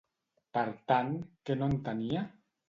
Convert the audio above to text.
Per tant, què no entenia?